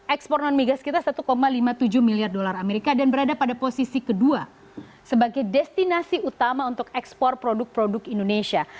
ekspor non migas kita satu lima puluh tujuh miliar dolar amerika dan berada pada posisi kedua sebagai destinasi utama untuk ekspor produk produk indonesia